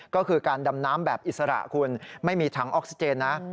ก็คือการดำน้ำแบบอิสระคุณไม่มีถังออกซิเจนนะ